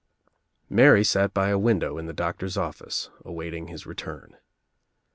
Mary sat by a window in the doctor's office awaiting his return.